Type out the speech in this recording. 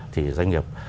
thì doanh nghiệp